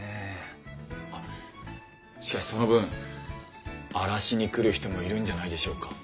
あっしかしその分荒らしに来る人もいるんじゃないでしょうか？